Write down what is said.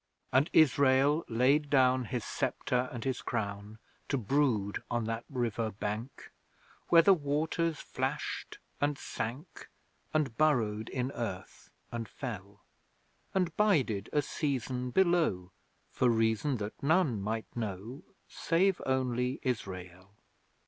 And Israel laid down His sceptre and his crown, To brood on that River bank, Where the waters flashed and sank, And burrowed in earth and fell, And bided a season below; For reason that none might know, Save only Israel.